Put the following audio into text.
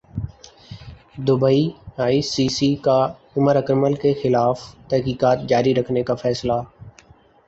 Dubai I C C کا عمراکمل کیخلاف تحقیقات جاری رکھنے کا فیصلہ